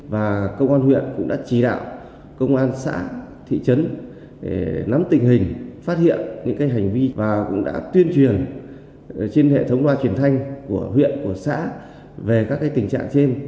và công an huyện cũng đã chỉ đạo công an xã thị trấn để nắm tình hình phát hiện những hành vi và cũng đã tuyên truyền trên hệ thống loa truyền thanh của huyện của xã về các tình trạng trên